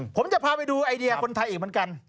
ผมจะพาไปดูไอเดียคนไทยอีกเหมือนกัน